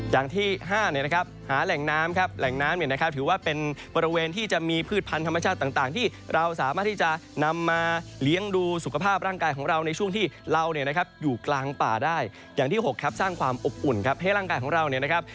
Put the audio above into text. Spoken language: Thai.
สร้างความอบอุ่นครับให้ร่างกายของเราเนี่ยนะครับ